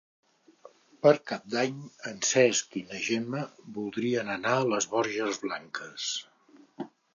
Per Cap d'Any en Cesc i na Gemma voldrien anar a les Borges Blanques.